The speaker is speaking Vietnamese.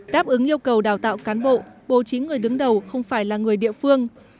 đáp ứng yêu cầu đào tạo cán bộ bố trí người đứng đầu không phải là người địa phương